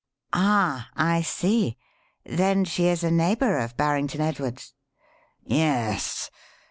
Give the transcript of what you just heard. "Ah, I see. Then she is a neighbour of Barrington Edwards?" "Yes.